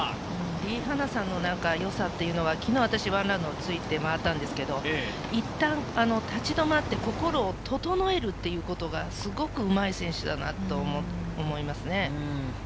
リ・ハナさんの良さは昨日、私１ラウンドついて回ったんですけど、いったん立ち止まって、心を整えるっていうことが、すごくうまい選手だなと思いますね。